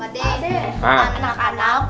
pade makan makan apa